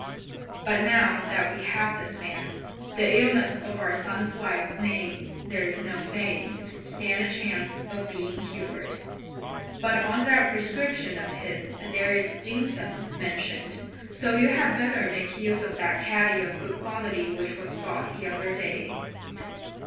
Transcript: But now that we have this man, the illness of our son's wife may, there is no saying, stand a chance of being cured. But on that prescription of his there is ginseng mentioned, so you had better make use of that catty of good quality which was bought the other day."